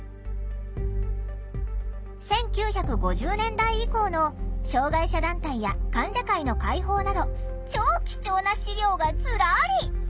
１９５０年代以降の障害者団体や患者会の会報など超貴重な資料がずらり！